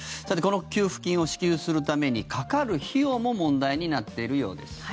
さて、この給付金を支給するためにかかる費用も問題になっているようです。